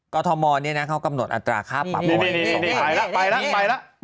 กอทมเนี้ยน่ะเขากำหนดอัตราคาประวัตินี่นี่นี่นี่ไปแล้วไปแล้วไปแล้ว